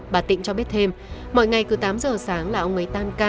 bà tịnh cho biết thêm mỗi ngày cứ tám giờ sáng là ông ấy tan ca